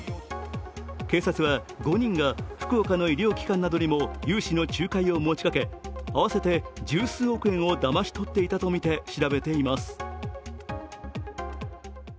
警察は５人が、福岡の医療機関などにも融資の仲介を持ちかけ、合わせて十数億円をだまし取っていたとみて調べています。